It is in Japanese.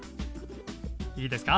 いいですか？